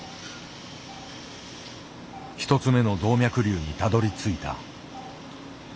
１つ目の動脈瘤にたどりついた。